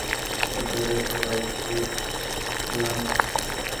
অদ্যকার সভাই যে এ-বিষয়ের চূড়ান্ত প্রমাণ।